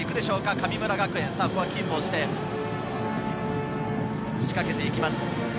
神村学園キープして、仕掛けていきます。